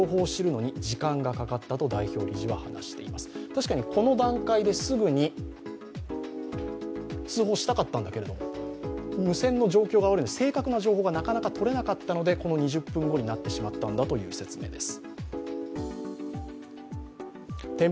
確かにこの段階ですぐに通報したかったんだけれども、無線の状況が悪いので、正確な情報がなかなかとれなかったのでこの２０分後になってしまったんだという説明です。